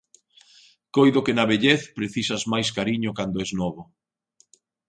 Coido que na vellez precisas máis cariño cando es novo.